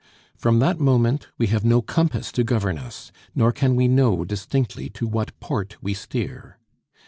From that moment we have no compass to govern us; nor can we know distinctly to what port we steer.